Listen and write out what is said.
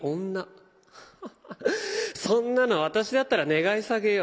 ハハハッそんなの私だったら願い下げよ。